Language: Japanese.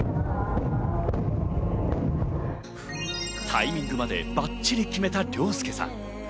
タイミングまでバッチリ決めた諒介さん。